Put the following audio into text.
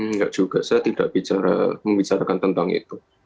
enggak juga saya tidak bicara membicarakan tentang itu